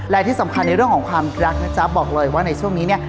และที่สำคัญในเรื่องของความรักนะจ๊ะบอกเลยว่าในช่วงนี้เนี่ย